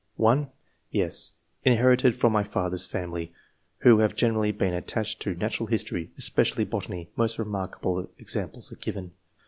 (1) [Yes.] " Inherited from my father's family, who have generally been attached to natural history [especially botany — ^most remarkable ex amples are given].